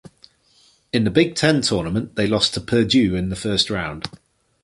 In the Big Ten Tournament they lost to Purdue in the first round.